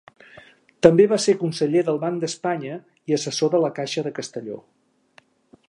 També va ser conseller del Banc d'Espanya i assessor de la Caixa de Castelló.